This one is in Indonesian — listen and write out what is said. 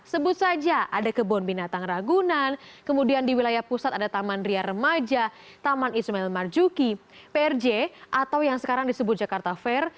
sebut saja ada kebun binatang ragunan kemudian di wilayah pusat ada taman ria remaja taman ismail marjuki prj atau yang sekarang disebut jakarta fair